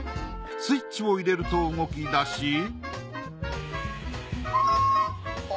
スイッチを入れると動き出し